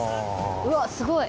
うわっすごい！